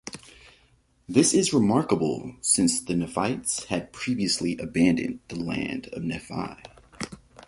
This is remarkable since the Nephites had previously abandoned the land of Nephi.